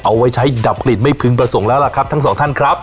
เอาไว้ใช้ดับกลิ่นไม่พึงประสงค์แล้วล่ะครับทั้งสองท่านครับ